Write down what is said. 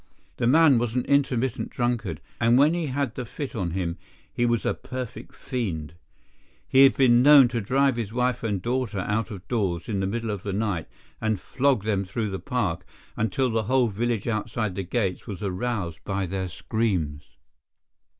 The man was an intermittent drunkard, and when he had the fit on him he was a perfect fiend. He has been known to drive his wife and daughter out of doors in the middle of the night and flog them through the park until the whole village outside the gates was aroused by their screams.